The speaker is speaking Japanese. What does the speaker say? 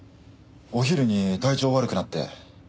お昼に体調悪くなって。